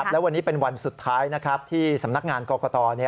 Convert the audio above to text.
และวันนี้เป็นวันสุดท้ายที่สำนักงานกรกต